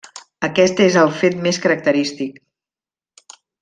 Aquest és el fet més característic.